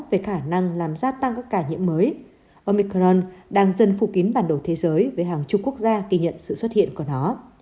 về khả năng làm gia tăng các ca nhiễm mới ông micron đang dần phụ kín bản đồ thế giới với hàng chục quốc gia ghi nhận sự xuất hiện của nó